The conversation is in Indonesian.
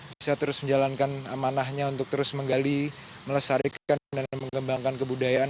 bisa terus menjalankan amanahnya untuk terus menggali melestarikan dan mengembangkan kebudayaan